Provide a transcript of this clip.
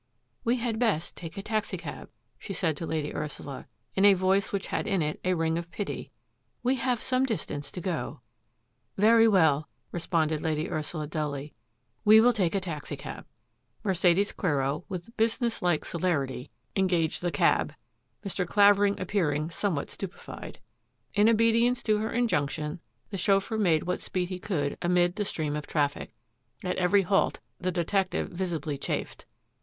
" We had best take a taxicab,'' she said to Lady Ursula, in a voice which had in it a ring of pity, " we have some distance to go." "Very well," responded Lady] Ursula dully, " we will take a taxicab." Mercedes Quero, with business like celerity, en 999 880 THAT AFFAIR AT THE MANOR gaged the cab, Mr. Claverlng appearing somewhat stupefied. In obedience to her injunction the chauffeur made what speed he could amid the stream of traffic. At every halt the detective visibly chafed.